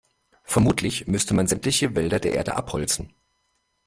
Vermutlich müsste man sämtliche Wälder der Erde abholzen.